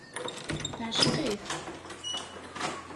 Teɛceq-it.